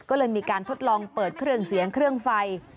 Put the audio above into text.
ก็เลยมีการทดลองเปิดเครื่องเสียงเครื่องไฟ